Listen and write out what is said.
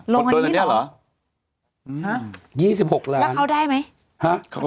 แล้วเขาได้ไหม